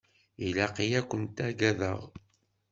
Ilaq-iyi ad kent-agadeɣ?